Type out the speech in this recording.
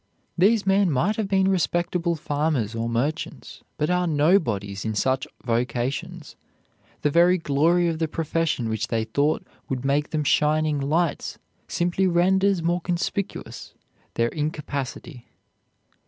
These men might have been respectable farmers or merchants, but are "nobodies" in such vocations. The very glory of the profession which they thought would make them shining lights simply renders more conspicuous their incapacity.